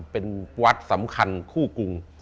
เป็นวัดสำคัญคู่กรุง